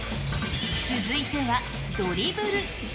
続いてはドリブル。